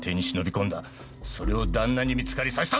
それを旦那に見つかり刺した。